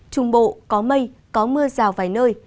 trung bộ có mây có mưa rào vài nơi